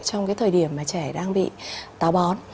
trong cái thời điểm mà trẻ đang bị táo bón